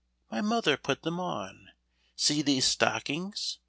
My mother put them on. See these stockings!